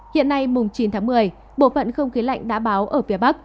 hiện nay mùng chín tháng một mươi bộ phận không khí lạnh đã báo ở phía bắc